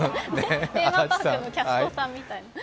テーマパークのキャストさんみたい。